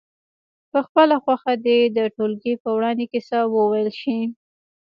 په خپله خوښه دې د ټولګي په وړاندې کیسه وویل شي.